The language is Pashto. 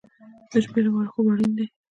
د شپې لپاره خوب اړین دی